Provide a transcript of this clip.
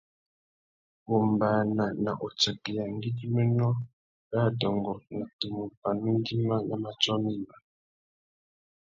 Wombāna na utsakeya ngüidjiménô râ adôngô na tumu pandú ngüima na matiō mïmá.